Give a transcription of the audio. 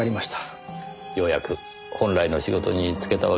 ようやく本来の仕事に就けたわけですねぇ。